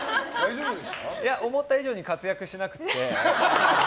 思った以上に活躍しなくて。